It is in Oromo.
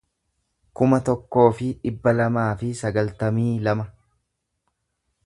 kuma tokkoo fi dhibba lamaa fi sagaltamii lama